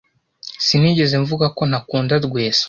Sinigeze mvuga ko ntakunda Rwesa.